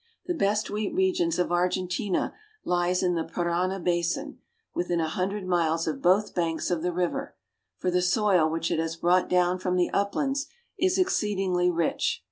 The best wheat region of Argen tina Hes in the Parana basin, within a hundred miles of both banks of the river, for the soil which it has brought down from the uplands is exceedingly rich.